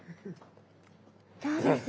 どうです？